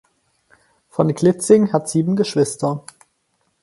Von Klitzing hat sieben Geschwister.